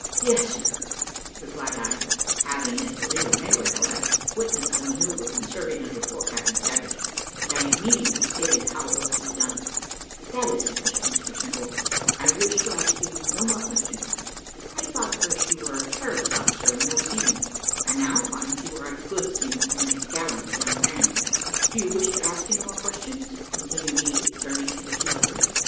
"Yes, sir," replied I, having, as the reader may recollect, witnessed the manoeuvre when serving under poor Captain Savage, and I immediately stated how it was to be done. "That is sufficient, Mr Simple; I wish to ask you no more questions. I thought at first you were a careless officer and no seaman: I now find you are a good seaman and a gallant young man. Do you wish to ask any more questions?" continued he, turning to the two others.